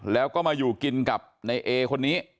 แล้วก็มาอยู่กินกับในเอคนนี้